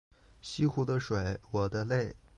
西湖的水我的泪